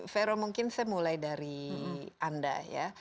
vero mungkin saya mulai dari anda ya